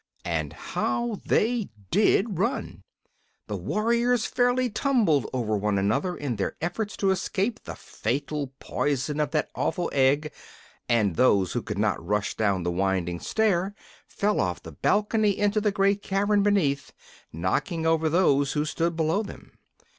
And how they DID run! The warriors fairly tumbled over one another in their efforts to escape the fatal poison of that awful egg, and those who could not rush down the winding stair fell off the balcony into the great cavern beneath, knocking over those who stood below them.